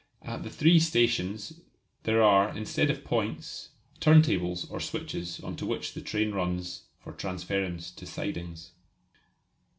At the three stations there are, instead of points, turn tables or switches on to which the train runs for transference to sidings.